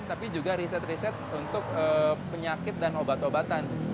tapi juga riset riset untuk penyakit dan obat obatan